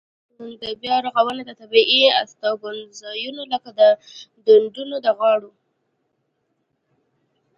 دا بیا رغونه د طبیعي استوګنځایونو لکه د ډنډونو د غاړو.